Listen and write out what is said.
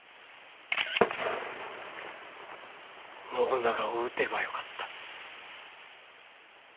信長を討てばよかった。